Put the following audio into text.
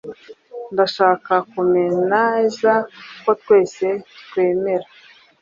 Ndashaka kumea neza ko twese twemera.